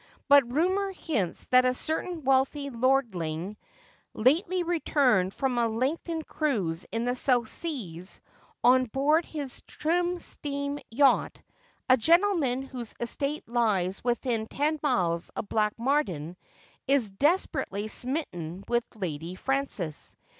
But rumour hints that a certain wealthy lordling, lately returned from a lengthened cruise in' the South Seas, on board his trim steam yacht, a gentleman whose estate lies within ten miles of Blatchmardean, is desperately smitten with Lady Frances.